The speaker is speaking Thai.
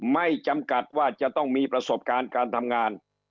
ไม่จำกัดว่าจะต้องมีประสบการณ์การทำงาน